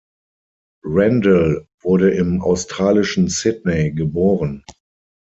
Randell wurde im australischen Sydney geboren.